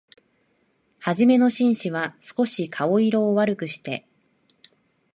はじめの紳士は、すこし顔色を悪くして、